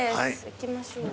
行きましょう。